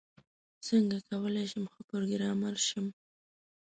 څنګه کولاي شم ښه پروګرامر شم؟